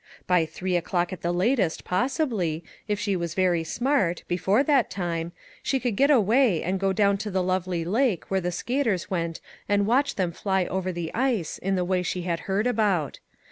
By three o'clock at the latest, possibly, if she was very smart, before that time, she could get away, and go down to the lovely lake where the skaters went, and watch them fly over the ice in the way she had heard about.